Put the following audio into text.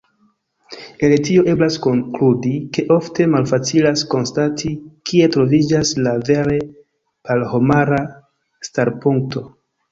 El tio eblas konkludi, ke ofte malfacilas konstati, kie troviĝas la vere porhomara starpunkto.